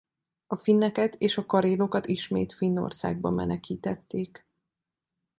A finneket és a karélokat ismét Finnországba menekítették.